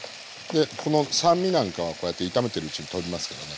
この酸味なんかはこうやって炒めてるうちにとびますからね。